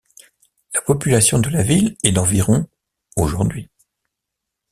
La population de la ville est d'environ aujourd'hui.